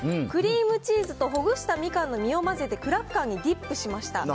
クリームチーズとほぐしたみかんの実を交ぜて、クラッカーにディップしました。